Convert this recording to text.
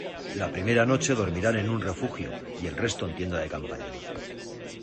La primera noche dormirán en un refugio y el resto en tienda de campaña.